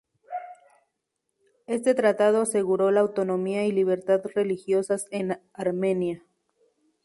Este tratado aseguró la autonomía y libertad religiosas en Armenia.